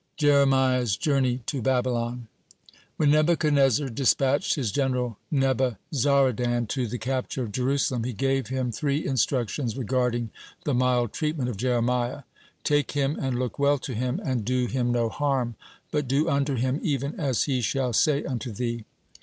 (39) JEREMIAH'S JOURNEY TO BABYLON When Nebuchadnezzar dispatched his general Nebuzaradan to the capture of Jerusalem, he gave him three instructions regarding the mild treatment of Jeremiah: "Take him, and look well to him, and do him no harm; but do unto him even as he shall say unto thee."